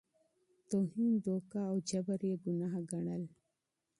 توهین، دوکه او افراط یې ګناه ګڼل.